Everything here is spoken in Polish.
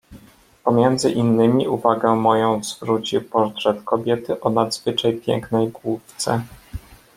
"Pomiędzy innymi uwagę moją zwrócił portret kobiety o nadzwyczaj pięknej główce."